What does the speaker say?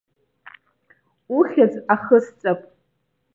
Ухьӡ ахысҵап.